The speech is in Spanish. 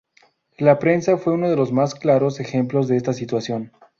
La prensa fue uno de los más claros ejemplos de esta situación.